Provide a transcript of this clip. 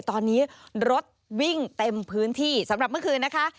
ตอนนี้รถวิ่งเต็มพื้นที่สำหรับเมื่อคืนนะคะ